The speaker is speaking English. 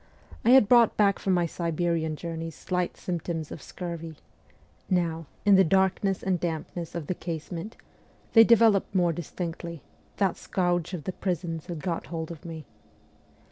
I had brought back from my Siberian journeys slight symptoms of scurvy ; now, in the darkness and dampness of the casement, they developed more distinctly ; that scourge of the prisons had got hold of me.